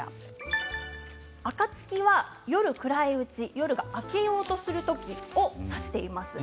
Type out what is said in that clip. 暁は夜、暗いうち夜が明けようとする時を指しています。